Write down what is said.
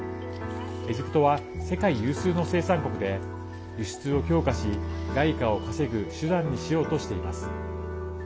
エジプトは世界有数の生産国で輸出を強化し外貨を稼ぐ手段にしようとしています。